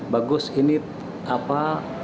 bagus ini apa